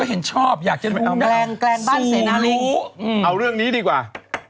เอาเรื่องนี้ดีกว่า